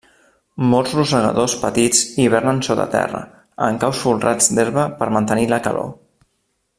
Molts rosegadors petits hibernen sota terra, en caus folrats d'herba per mantenir la calor.